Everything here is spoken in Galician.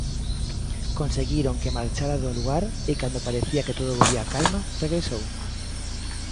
Conseguiron que marchara do lugar, e cando parecía que todo volvía á calma, regresou.